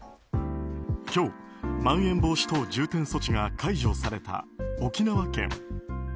今日、まん延防止等重点措置が解除された沖縄県。